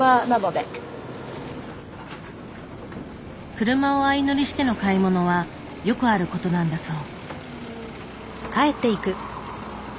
車を相乗りしての買い物はよくあることなんだそう。